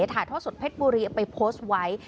ถ่ายทอดสดเพชรบุรีเอาไปโพสต์ไว้